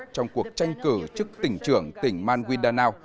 trong cuộc tranh cử trước tỉnh trưởng tỉnh manguindanao